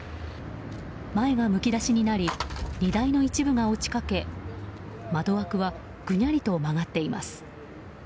前がむき出しになり荷台の一部が落ちかけ窓枠はぐにゃりと曲がっています。